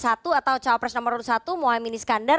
atau cawapres nomor satu moa emini skandar